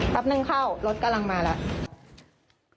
สักครู่เข้ารถกำลังมาแล้ว